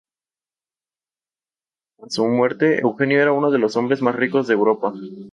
A su muerte, Eugenio era uno de los hombres más ricos de Europa.